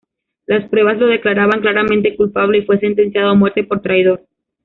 Las pruebas lo declaraban claramente culpable y fue sentenciado a muerte por traidor.